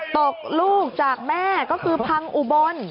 ตกลูกจากแม่ก็คือพังอุบล